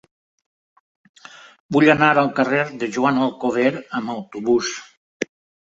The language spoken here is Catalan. Vull anar al carrer de Joan Alcover amb autobús.